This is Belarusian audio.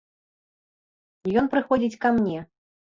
Ён прыходзіць ка мне.